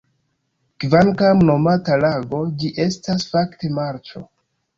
Kvankam nomata lago, ĝi estas fakte marĉo.